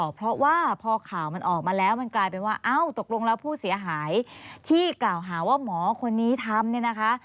เพราะว่าพอข่าวมันออกมาแล้วมันกลายเป็นว่าเอ้าตกลงแล้วผู้เสียหายที่กล่าวหาว่าหมอคนนี้ทำเนี่ยนะคะ